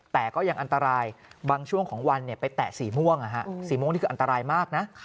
แต่ก็ยังอันตรายบางช่วงของวันไปแตะสีม่วงสีม่วงนี่คืออันตรายมากนะ